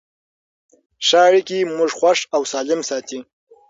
ښه اړیکې موږ خوښ او سالم ساتي.